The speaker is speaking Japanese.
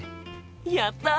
やった！